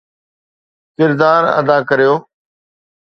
ڪردار ادا ڪريو